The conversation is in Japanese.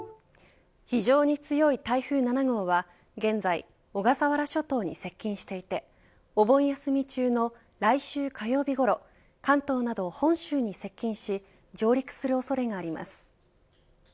非常に強い台風７号は現在、小笠原諸島に接近していてお盆休み中の来週火曜日ごろ関東など本州に接近し上陸する恐れがあります。